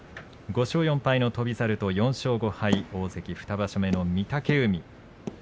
５勝４敗の翔猿と４勝５敗の大関２場所目、御嶽海。